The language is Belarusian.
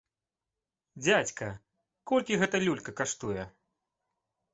Дзядзька, колькі гэта люлька каштуе?